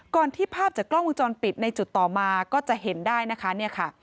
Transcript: ก่อนที่ภาพจากกล้องมุมจรปิดในจุดต่อมาก็จะเห็นได้